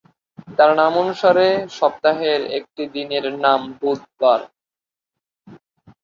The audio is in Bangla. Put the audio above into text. তার নামানুসারে সপ্তাহের একটি দিনের নাম বুধবার।